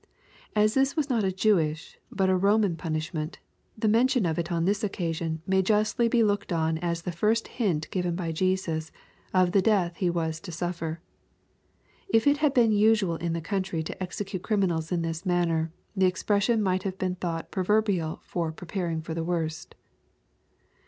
'*As this was not a Jewish but a Koman punishment, the mention of it on this occasion may justly be looked on as the first hint given by Jesus, of the death he was to suffer. If it had been usual in the country to execute criminals in this manner, the expression might have been thought proverbial for preparing for the worst."